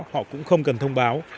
họ cũng không cần thông báo